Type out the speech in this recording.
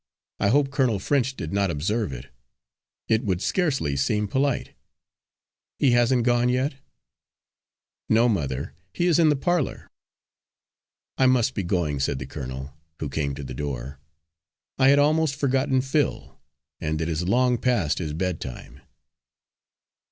I hope Colonel French did not observe it it would scarcely seem polite. He hasn't gone yet?" "No, mother, he is in the parlour." "I must be going," said the colonel, who came to the door. "I had almost forgotten Phil, and it is long past his bedtime."